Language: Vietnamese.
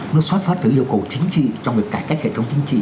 nó xuất phát từ yêu cầu chính trị trong việc cải cách hệ thống chính trị